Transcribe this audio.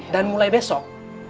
dan mulai besok